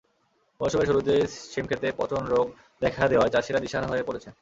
মৌসুমের শুরুতেই শিমখেতে পচন রোগ দেখা দেওয়ায় চাষিরা দিশেহারা হয়ে পড়েছেন।